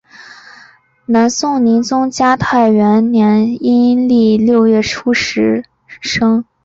南宋宁宗嘉泰元年阴历六月初十日生。